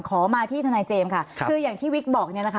ขอมาที่ทนายเจมส์ค่ะคืออย่างที่วิกบอกเนี่ยนะคะ